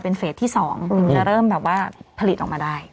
เป็นเฟสที่๒จะเริ่มแบบว่าผลิตออกมาได้